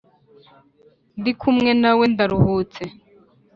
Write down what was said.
ndi kumwe nawe ndaruhutse